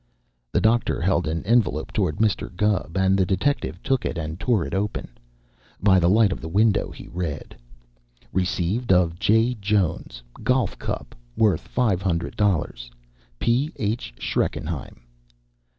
The doctor held an envelope toward Mr. Gubb, and the detective took it and tore it open. By the light of the window he read: Rec'd of J. Jones, golluf cup worth $500. P. H. SCHRECKENHEIM.